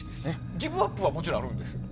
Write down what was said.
ギブアップはもちろんあるんですよね？